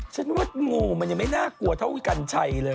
ฉันว่างูมันยังไม่น่ากลัวเท่าพี่กัญชัยเลย